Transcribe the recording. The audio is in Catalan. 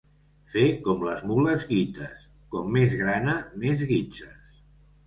Fer com les mules guites: com més grana, més guitzes.